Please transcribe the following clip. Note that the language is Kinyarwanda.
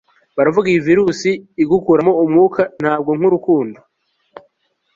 baravuga iyi virusi igukuramo umwuka, ntabwo nk'urukundo